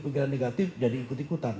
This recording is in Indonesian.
pikiran negatif jadi ikut ikutan